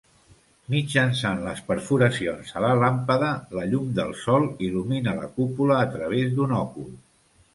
Mitjançant les perforacions a la làmpada, la llum del sol il·lumina la cúpula a través d'un òcul.